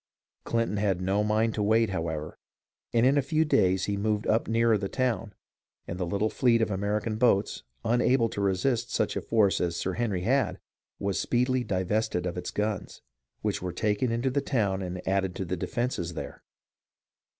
Clinton had no mind to wait, however, and in a few days he moved up nearer the town, and the little fleet of Ameri can boats, unable to resist such a force as Sir Henry had, was speedily divested of its guns, which were taken into the town and added to the defences there.